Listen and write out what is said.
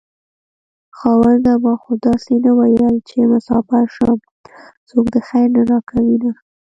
خاونده ما خو داسې نه وېل چې مساپر شم څوک دې خير نه راکوينه